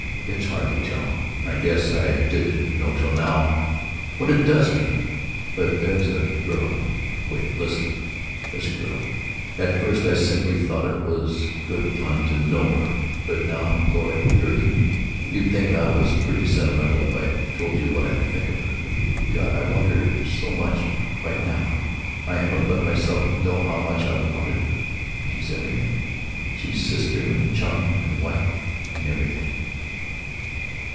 It's hard to tell; I guess I didn't know till now what it does mean, but there's a girl——Wait; listen. There's a girl—at first I simply thought it was good fun to know her, but now, Lord! Gertie, you'd think I was pretty sentimental if I told you what I think of her. God! I want to see her so much! Right now! I haven't let myself know how much I wanted her. She's everything. She's sister and chum and wife and everything."